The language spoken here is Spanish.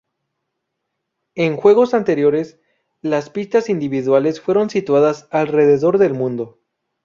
En juegos anteriores, las pistas individuales fueron situadas alrededor del mundo.